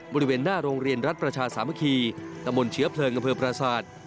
บริเวณหน้าโรงเรียนรัฐประชาสามัคคีตำบลเชื้อเพลิงอำเภอประสาท